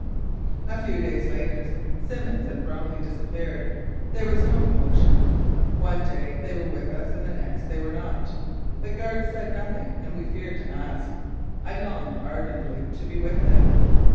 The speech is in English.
A few days later Simmons and Brumley disappeared. There was no commotion. One day they were with us and the next they were not. The guards said nothing and we feared to ask. I longed ardently to be with them.